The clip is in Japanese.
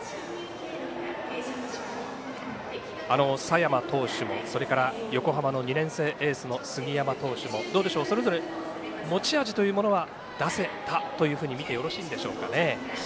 佐山投手も、それから横浜の２年生エースの杉山投手もそれぞれ持ち味というものは出せたというふうにみてよろしいでしょうかね。